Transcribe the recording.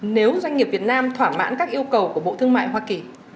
nếu doanh nghiệp việt nam thỏa mãn các yêu cầu của bộ thương mại hoa kỳ